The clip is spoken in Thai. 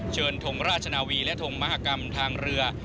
ทงราชนาวีและทงมหากรรมทางเรือ